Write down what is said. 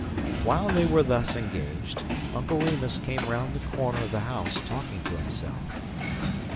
While they were thus engaged, Uncle Remus came around the corner of the house, talking to himself.